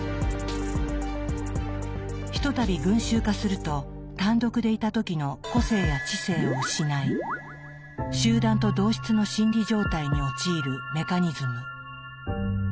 ひとたび群衆化すると単独でいた時の個性や知性を失い集団と同質の心理状態に陥るメカニズム。